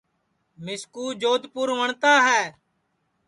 مِسکُو جودپُور وٹؔتا ہے